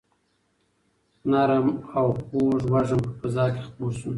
نرم او خوږ وږم په فضا کې خپور شو.